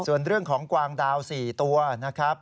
ส่วนเรื่องของกวางดาว๔ตัวนะครับ